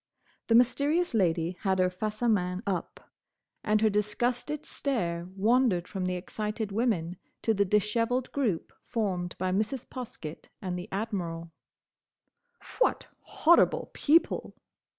The Mysterious Lady had her face à main up, and her disgusted stare wandered from the excited women to the dishevelled group formed by Mrs. Poskett and the Admiral. "What horrible people!"